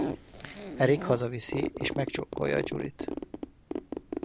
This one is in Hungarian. Eric hazaviszi és megcsókolja Julie-t.